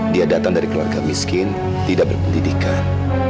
dia datang dari keluarga miskin tidak berpendidikan